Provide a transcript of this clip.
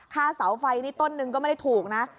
เสาไฟนี่ต้นนึงก็ไม่ได้ถูกนะ